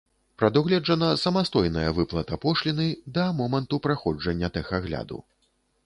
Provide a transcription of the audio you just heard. Прадугледжана самастойная выплата пошліны да моманту праходжання тэхагляду.